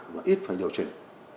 và ít phải điều chỉnh